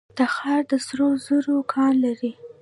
تخار د سرو زرو کان لري